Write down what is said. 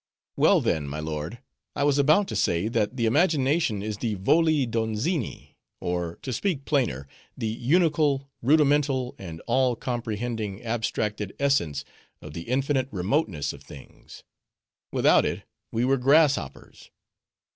"Well, then, my lord, I was about to say, that the imagination is the Voli Donzini; or, to speak plainer, the unical, rudimental, and all comprehending abstracted essence of the infinite remoteness of things. Without it, we were grass hoppers."